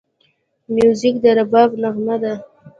موزیک د رباب نغمه ده.